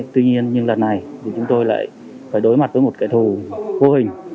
tuy nhiên nhưng lần này thì chúng tôi lại phải đối mặt với một kẻ thù vô hình